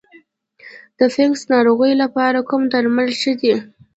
د فنګسي ناروغیو لپاره کوم درمل ښه دي؟